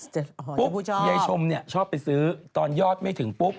ชมพูชอบบ๊วยเย้ยชมชอบไปซื้อตอนยอดไม่ถึงปุ๊บ